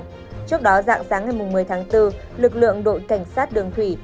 trước đó dạng sáng ngày một mươi tháng bốn lực lượng đội cảnh sát đường thủy